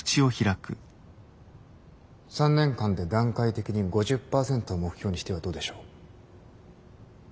３年間で段階的に５０％を目標にしてはどうでしょう。